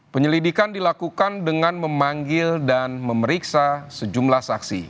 penyelidikan dilakukan dengan memanggil dan memeriksa sejumlah saksi